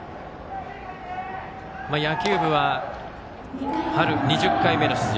野球部は春２０回目の出場